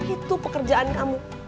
itu pekerjaan kamu